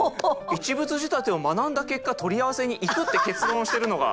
一物仕立てを学んだ結果取り合わせにいくって結論してるのが。